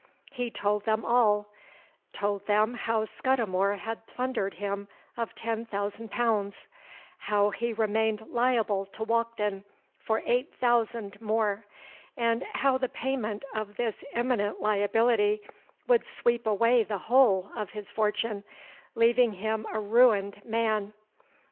He told them all,—told them how Scudimore had plundered him of ten thousand pounds—how he remained liable to Walkden for eight thousand more—and how the payment of this imminent liability would sweep away the whole of his fortune, leaving him a ruined man!